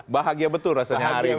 bahagia betul rasanya hari ini